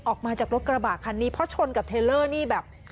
ออกมาจากรถกระบะคันนี้เพราะชนกับเทลเลอร์นี่แบบ